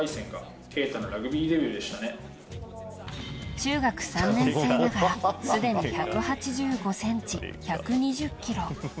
中学３年生ながらすでに１８５ｃｍ、１２０ｋｇ。